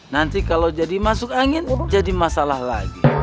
nanti kalau jadi masuk angin jadi masalah lagi